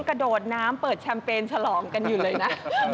กระโดดน้ำเปิดแชมเปญฉลองกันอยู่เลยนะ